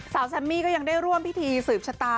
แซมมี่ก็ยังได้ร่วมพิธีสืบชะตา